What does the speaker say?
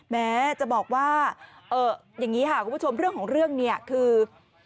แม้จะบอกว่าอย่างนี้ค่ะคุณผู้ชมเรื่องของเรื่องเนี่ยคือ